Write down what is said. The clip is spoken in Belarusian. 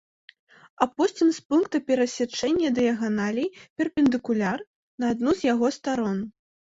Апусцім з пункта перасячэння дыяганалей перпендыкуляр на адну з яго старон.